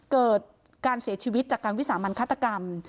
เกิดการเสียชีวิตจากการวิสามันฆาตกรรม